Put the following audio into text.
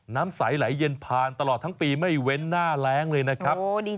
น้ำใสไหลเย็นผ่านตลอดทั้งปีไม่เว้นหน้าแรงเลยนะครับ